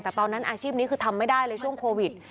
แต่ตอนนั้นอาชีพนี้คือทำไม่ได้เลยช่วงโควิด